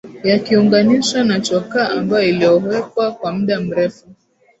yakiunganishwa na chokaa ambayo ililowekwa kwa muda mrefu